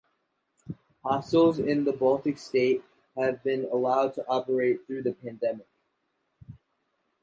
Hostels in the Baltic state have been allowed to operate through the pandemic.